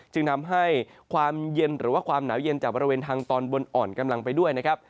จึงทำให้ความเย็นหรือว่าความหนาวเย็นจากบริเวณทางตอนบนอ่อนกำลังไปด้วยนะครับ